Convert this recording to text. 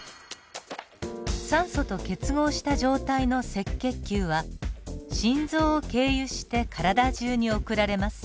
酸素と結合した状態の赤血球は心臓を経由して体中に送られます。